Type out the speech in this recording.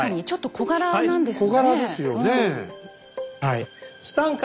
小柄ですよね。